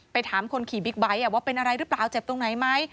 ถามคนขี่บิ๊กไบท์ว่าเป็นอะไรหรือเปล่าเจ็บตรงไหนไหม